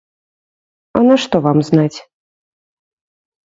А нашто вам знаць?